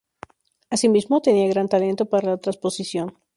Asimismo, tenía gran talento para la transposición.